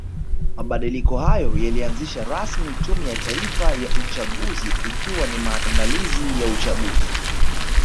Mabadiliko hayo yalianzisha rasmi tume ya Taifa ya uchaguzi ikiwa ni maandalizi ya uchaguzi